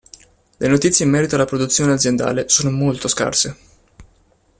Le notizie in merito alla produzione aziendale sono molto scarse.